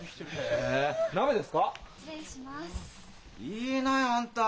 いいないあんた！